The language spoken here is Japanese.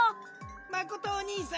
まことおにいさん